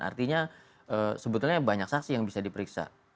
artinya sebetulnya banyak saksi yang bisa diperiksa